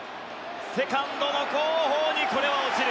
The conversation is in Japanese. セカンドの後方にこれは落ちる。